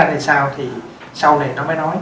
nó quả ra làm sao thì sau này nó mới nói